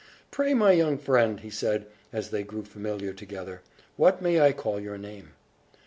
"Pray, my young friend," said he, as they grew familiar together, "what may I call your name?"